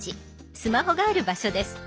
スマホがある場所です。